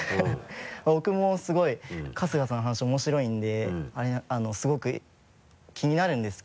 僕もすごい春日さんの話面白いんですごく気になるんですけど。